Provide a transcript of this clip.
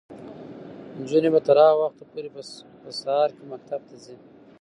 نجونې به تر هغه وخته پورې په سهار کې مکتب ته ځي.